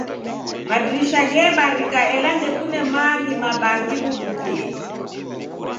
Madirisha ghebarika, ela ndekune maaghi mabaa ghibudukie